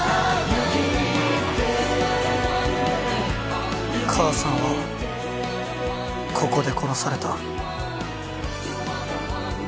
信じてよ！母さんはここで殺された。